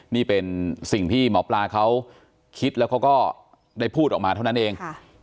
นี่เป็นสิ่งที่หมอปลาเขาคิดแล้วเขาก็ได้พูดออกมาเท่านั้นเอง